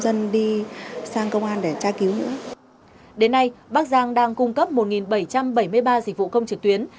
đến nay bắc giang đang cung cấp một bảy trăm bảy mươi ba dịch vụ công trực tuyến